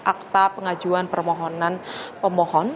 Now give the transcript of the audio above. akta pengajuan permohonan pemohon